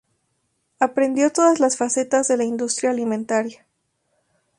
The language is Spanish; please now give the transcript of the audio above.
Aprendió todas las facetas de la industria alimentaria.